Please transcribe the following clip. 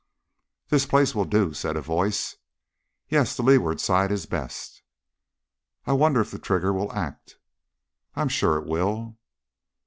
"This place will do," said a voice. "Yes, the leeward side is best." "I wonder if the trigger will act?" "I am sure it will."